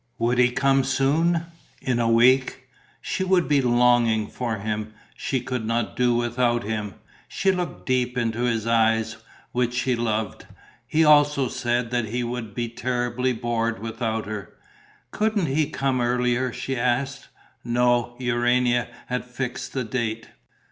Would he come soon? In a week? She would be longing for him: she could not do without him. She looked deep into his eyes, which she loved. He also said that he would be terribly bored without her. Couldn't he come earlier, she asked. No, Urania had fixed the date.